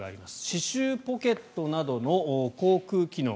歯周ポケットなどの口腔機能